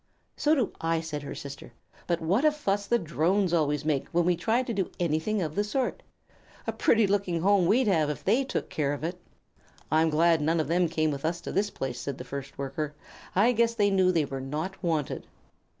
"So do I," said her sister. "But what a fuss the Drones always make when we try to do anything of the sort! A pretty looking home we'd have if they took care of it!" "I'm glad none of them came with us to this place," said the first Worker. "I guess they knew they were not wanted."